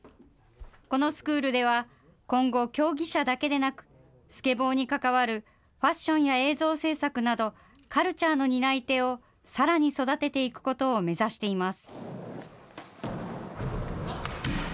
このスクールでは、今後、競技者だけでなく、スケボーに関わるファッションや映像制作など、カルチャーの担い手をさらに育てていくことを目指しています。